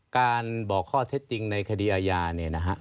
การบอกข้อเท็จจริงในคดีอาญาเนี่ยนะฮะ